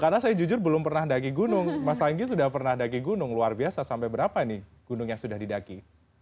karena saya jujur belum pernah daki gunung mas anggi sudah pernah daki gunung luar biasa sampai berapa nih gunung yang sudah didaki